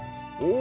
お！